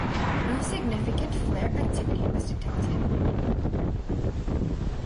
No significant flare activity was detected.